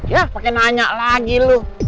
ya pake nanya lagi lu